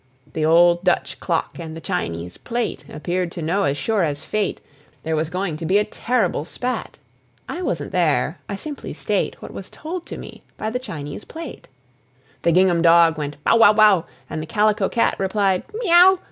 The old Dutch clock and the Chinese plate Appeared to know as sure as fate There was going to be a terrible spat. (I wasn't there; I simply state What was told to me by the Chinese plate!) The gingham dog went "bow wow wow!" And the calico cat replied "mee ow!"